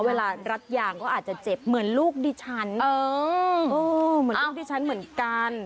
เวลารัดยางก็อาจจะเจ็บเหมือนลูกดิฉันเหมือนลูกดิฉันเหมือนกัน